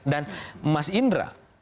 dan mas indra